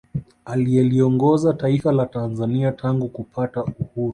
Aliyeliongoza taifa la Tanzania tangu kupata uhuru